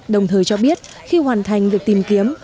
đồng thời cho biết khi hoàn thành việc tìm kiếm